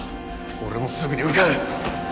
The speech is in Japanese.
俺もすぐに向かう！